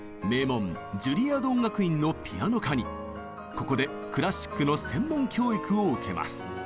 ここでクラシックの専門教育を受けます。